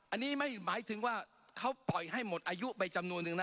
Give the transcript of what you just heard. อันนี้ไม่หมายถึงว่าเขาปล่อยให้หมดอายุไปจำนวนนึงนะ